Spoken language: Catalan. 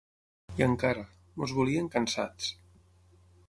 I encara: Ens volien cansats.